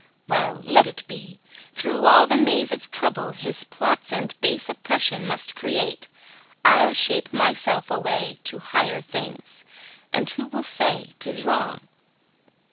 Well, let it be; through all the maze of trouble His plots and base oppression must create, I'll shape myself a way to higher things, And who will say 'tis wrong?